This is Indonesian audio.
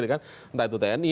entah itu tni